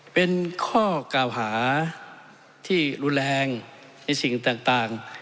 เป็นข้อกล่าวหาที่รุนแรงในสิ่งต่าง